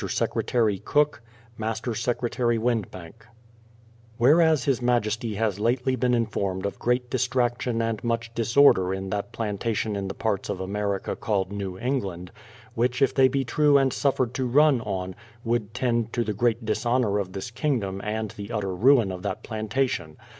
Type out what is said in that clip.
SECRETARY COOKE MASTER SECRETARY WINDBANK Whereas his majesty has lately been informed of great distrac tion and much disorder in that plantation in the parts of America 240 BRADFORD'S HISTORY called New England, which if they be true and suffered to run on, would tend to the great dishonour of this kingdom and the utter ruin of that plantation.